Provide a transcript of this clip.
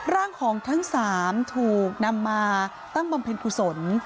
ร่างของทั้ง๓ถูกนำมาตั้งบำเพ็ญกุศล